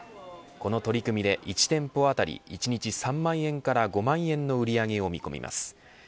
この取り組みで１店舗あたり１日３万円から５万円の売り上げを見込みます。